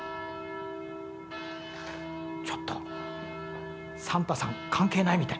ちょっとサンタさんかんけいないみたい。